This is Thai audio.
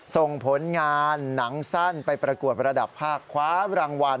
ส่งผลงานหนังสั้นไปประกวดระดับภาคคว้ารางวัล